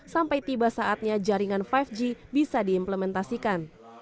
sampai tiba saatnya jaringan lima g bisa diimplementasikan